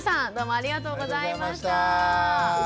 ありがとうございます。